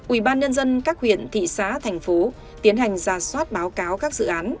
ủy ban nhân dân các huyện thị xã thành phố tiến hành ra soát báo cáo các dự án